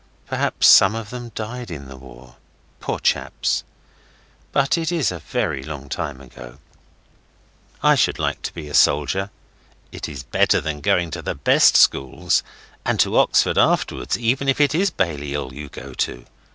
Perhaps some of them died in the war. Poor chaps! But it is a very long time ago. I should like to be a soldier. It is better than going to the best schools, and to Oxford afterwards, even if it is Balliol you go to.